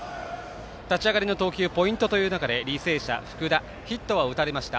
立ち上がりの投球ポイントという中で履正社、福田ヒットは打たれました。